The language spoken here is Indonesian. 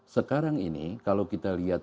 sekarang ini kalau kita lihat